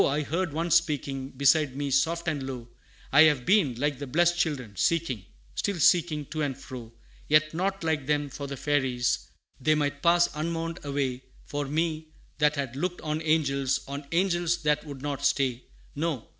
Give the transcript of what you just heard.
I heard one speaking Beside me soft and low, "I have been, like the blessed children, seeking, Still seeking, to and fro; Yet not, like them, for the Fairies, They might pass unmourned away For me, that had looked on angels, On angels that would not stay; No!